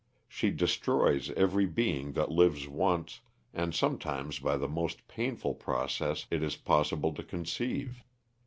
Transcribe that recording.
She destroys every being that lives once, and sometimes by the most painful process it is possible to conceive.